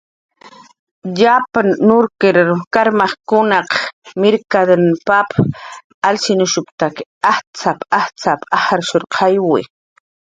"Yapn nurkir karmajkunaq mirkatn pap alshinushstak ajtz'ap"" ajtz'ap"" ajrshuurqayawi."